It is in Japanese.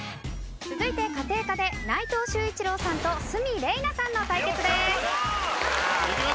続いて家庭科で内藤秀一郎さんと鷲見玲奈さんの対決です。